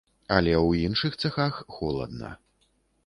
Але ў іншых цэхах холадна.